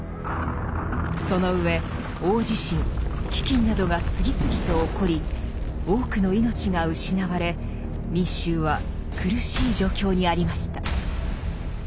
その上大地震飢饉などが次々と起こり多くの命が失われ民衆は苦しい状況にありました。